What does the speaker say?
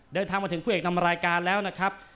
เดินทางมาถึงคู่เอกนำรายการแล้วนะครับ